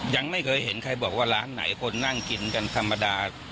ยังไม่เคยเห็นใครบอกว่าร้านไหนคนนั่งกินกันธรรมดา